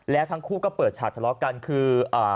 แล้วทั้งคู่ก็เปิดฉากทะเลาะกันคืออ่า